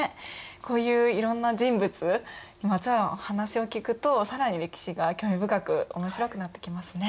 こういういろんな人物にまつわる話を聞くと更に歴史が興味深く面白くなってきますね。